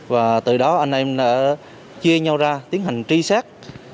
và từ đó anh em đã chia nhau ra tiến hành truy xét